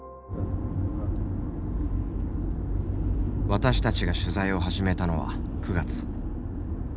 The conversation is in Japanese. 私たちが取材を始めたのは９月。